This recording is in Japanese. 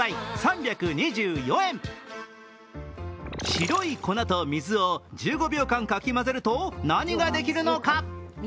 白い粉と水を１５秒間かき混ぜると、何ができるのか？